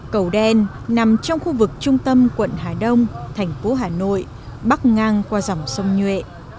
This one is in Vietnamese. cầu đen nằm trong khu vực trung tâm quận hà đông thành phố hà nội bắc ngang qua dòng sông nhuệ